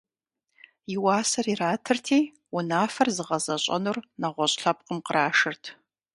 И уасэр иратырти, унафэр зыгъэзэщӏэнур нэгъуэщӏ лъэпкъым кърашырт.